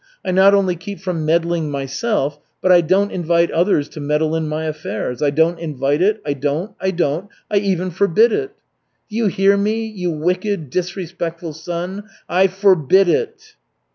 I not only keep from meddling myself, but I don't invite others to meddle in my affairs, I don't invite it, I don't, I don't, I even forbid it! Do you hear me, you wicked, disrespectful son, I f o r b i d it!"